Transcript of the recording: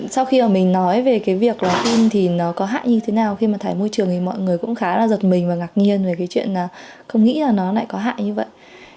sau khi mình nói về việc pin có hại như thế nào khi thải môi trường mọi người cũng khá giật mình và ngạc nhiên về chuyện không nghĩ nó có hại như vậy